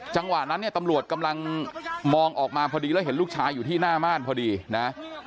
จังหวะนั้นเนี่ยตำรวจกำลังมองออกมาพอดีแล้วเห็นลูกชายอยู่ที่หน้าม่านพอดีนะ